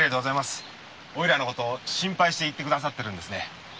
おいらのことを心配して言ってくださっているんですね。